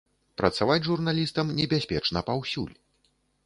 Працаваць журналістам небяспечна паўсюль.